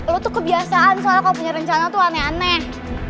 lu tuh kebiasaan soalnya kok punya rencana tuh aneh aneh